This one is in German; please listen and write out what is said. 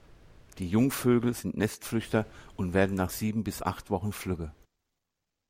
Die Jungvögel sind Nestflüchter und werden nach sieben bis acht Wochen flügge.